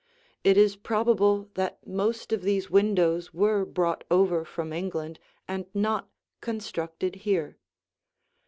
It is probable that most of these windows were brought over from England and not constructed here.